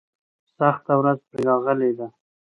سخته ورځ پرې راغلې ده.